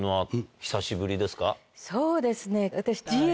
そうですね私。